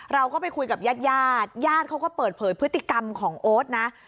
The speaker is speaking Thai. เราก็ไปคุยกับญาติญาติเขาก็เปิดเผยพฤติกรรมของโอ๊ตนะ